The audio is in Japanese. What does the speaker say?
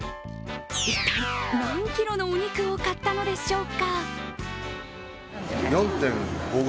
一体何キロのお肉を買ったんでしょうか。